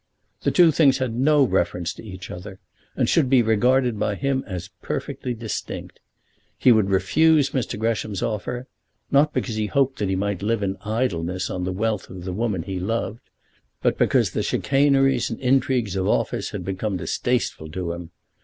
The two things had no reference to each other, and should be regarded by him as perfectly distinct. He would refuse Mr. Gresham's offer, not because he hoped that he might live in idleness on the wealth of the woman he loved, but because the chicaneries and intrigues of office had become distasteful to him.